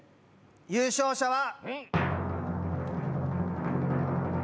優勝者は。